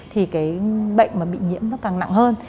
thì cái bệnh mà bị nhiễm nó càng nặng hơn